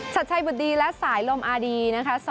ชัดใช้บุตรดีและสายลมอาร์ดี